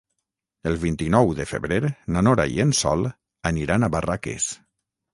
El vint-i-nou de febrer na Nora i en Sol aniran a Barraques.